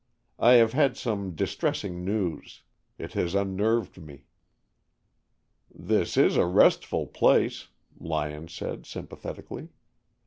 I have had some distressing news. It has unnerved me." "This is a restful place," Lyon said sympathetically.